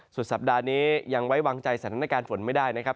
สุดสัปดาห์นี้ยังไว้วางใจสถานการณ์ฝนไม่ได้นะครับ